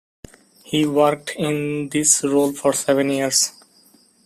He worked in this role for seven years.